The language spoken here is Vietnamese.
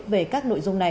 về các nội dung này